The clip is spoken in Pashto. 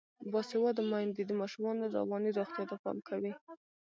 باسواده میندې د ماشومانو رواني روغتیا ته پام کوي.